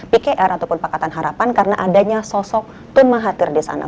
pkr atau pakatan harapan karena adanya sosok tumahatir di sana